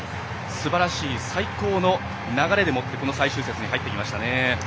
すばらしい最高の流れでもってこの最終節に入ってきましたね。